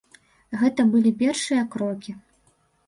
Гэта былі першыя крокі.